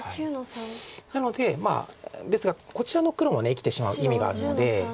なのでですがこちらの黒も生きてしまう意味があるので。